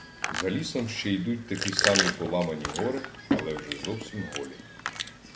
За лісом ще йдуть такі самі поламані гори, але вже зовсім голі.